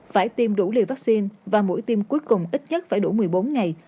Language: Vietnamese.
phải tiêm đủ liều vaccine và mũi tiêm cuối cùng ít nhất phải đủ một mươi bốn ngày